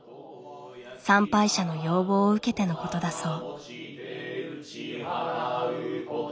参拝者の要望を受けてのことだそう。